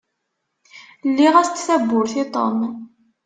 Lliɣ-as-d tawwurt i Tom.